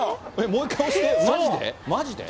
もう一回押して、まじで？